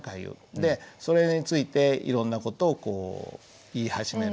でそれについていろんな事をこう言い始める。